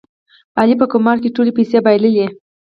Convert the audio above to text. علي په قمار کې ټولې پیسې بایلولې.